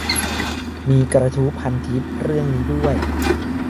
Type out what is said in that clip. มีกระทู้พันทิปเรื่องนี้ด้วย